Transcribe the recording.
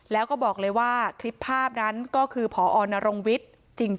แล้วก็บอกเลยว่าคลิปภาพนั้นก็คือพอนรงวิทย์จริง